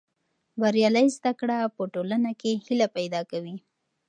بریالۍ زده کړه په ټولنه کې هیله پیدا کوي.